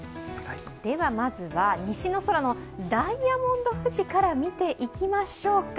では、まずは西の空のダイヤモンド富士から見ていきましょうか。